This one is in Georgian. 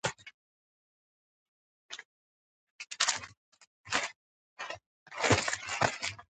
შეაგროვა ქართული, ბაქტრიული, პართული და სასანური მონეტების მდიდარი კოლექცია, რომელიც შემდგომ ერმიტაჟს გადასცა.